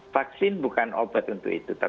vaksin bukan obat untuk itu